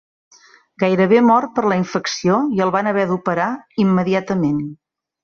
Gairebé mor per la infecció i el van haver d'operar immediatament.